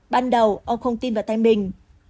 ban đầu ông không tin vào tay mình